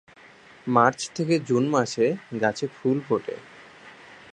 March থেকে June মাসে গাছে ফুল ফোটে।